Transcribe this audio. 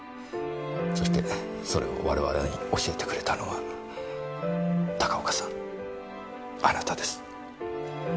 そしてそれを我々に教えてくれたのは高岡さんあなたです。